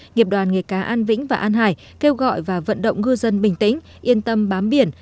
nghiệp đoàn nghề cá an vĩnh và an hải kêu gọi và vận động ngư dân bình tĩnh yên tâm bám biển